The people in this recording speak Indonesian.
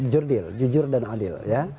jujur dan adil